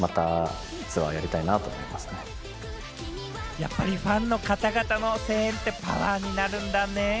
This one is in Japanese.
やっぱりファンの方々の声援ってパワーになるんだね。